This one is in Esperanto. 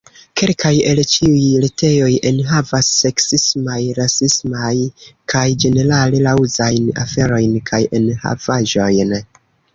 Kelkaj el ĉi tiuj retejoj enhavas... seksismajn, rasismajn... kaj ĝenerale naŭzajn aferojn kaj enhavaĵojn.